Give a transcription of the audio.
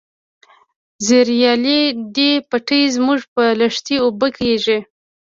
زریالي دي پټی زموږ په لښتي اوبه کیږي.